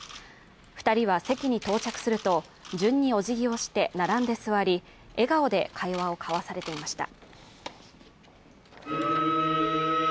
２人は席に到着すると、順におじぎをして並んで座り、笑顔で会話を交わされていました。